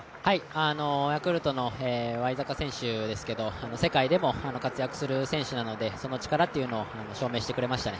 ヤクルトのワイザカ選手ですけど世界でも活躍する選手なのでその力を証明してくれましたね。